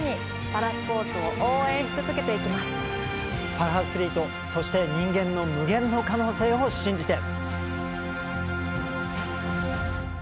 パラアスリートそして人間の無限の可能性を信じて。